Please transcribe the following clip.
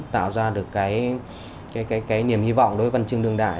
tạo ra được cái niềm hy vọng đối với văn chương đương đại